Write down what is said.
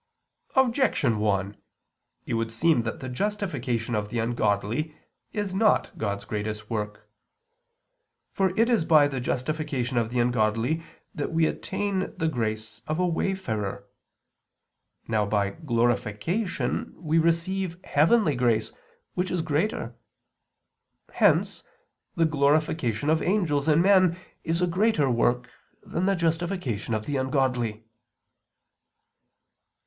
Objection 1: It would seem that the justification of the ungodly is not God's greatest work. For it is by the justification of the ungodly that we attain the grace of a wayfarer. Now by glorification we receive heavenly grace, which is greater. Hence the glorification of angels and men is a greater work than the justification of the ungodly.